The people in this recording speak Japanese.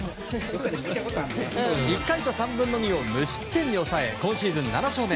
１回と３分の２を無失点に抑え今シーズン７勝目。